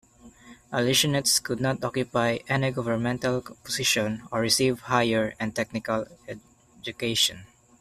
A "lishenets" could not occupy any governmental position, or receive higher and technical education.